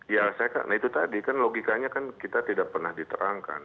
ya saya kan nah itu tadi kan logikanya kan kita tidak pernah diterangkan